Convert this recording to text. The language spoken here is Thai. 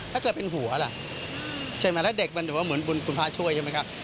ถ้าเกิดเป็นหัวล่ะใช่ไหมถ้าเด็กมันเหมือนคุณพระช่วยใช่ไหมครับ